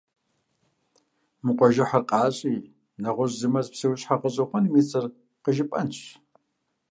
Мы къуажэхьыр къащӀи нэгъуэщӀ зы мэз псэущхьэ гъэщӀэгъуэным и цӀэр къыжыпӀэнщ.